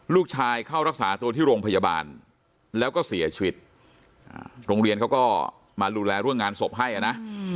เข้ารักษาตัวที่โรงพยาบาลแล้วก็เสียชีวิตโรงเรียนเขาก็มาดูแลเรื่องงานศพให้นะ